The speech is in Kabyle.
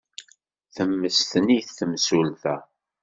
Temmesten-it temsulta.